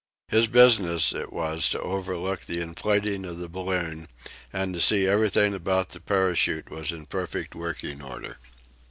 His business it was to overlook the inflating of the balloon, and to see that everything about the parachute was in perfect working order.